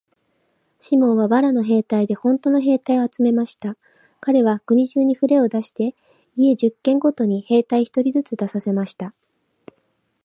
シモンは藁の兵隊でほんとの兵隊を集めました。かれは国中にふれを出して、家十軒ごとに兵隊一人ずつ出させました。